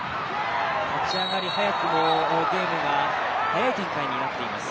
立ち上がり、早くもゲームが速い展開になっています。